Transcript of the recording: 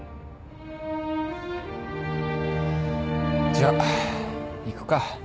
じゃ行くか。